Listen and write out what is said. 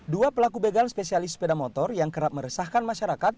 dua pelaku begal spesialis sepeda motor yang kerap meresahkan masyarakat